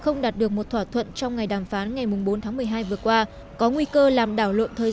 không đạt được một thỏa thuận trong ngày đàm phán ngày bốn tháng một mươi hai vừa qua có nguy cơ làm đảo lộn thời